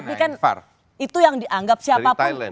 tapi kan itu yang dianggap siapapun